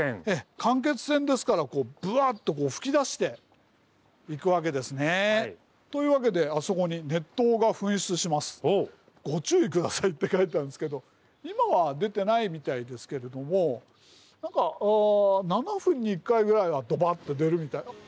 間欠泉ですからブワッと噴き出していくわけですね。というわけであそこに「熱湯が噴出しますご注意下さい」って書いてあるんですけど今は出てないみたいですけれども何か７分に１回ぐらいはドバッと出るみたい。